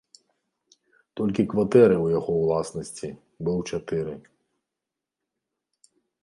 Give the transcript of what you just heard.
Толькі кватэры ў яго ўласнасці быў чатыры.